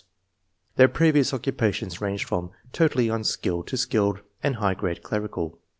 Their previous occupations ranged from totally unskilled to skilled and high grade clerical.